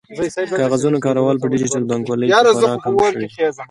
د کاغذونو کارول په ډیجیټل بانکوالۍ کې خورا کم شوي دي.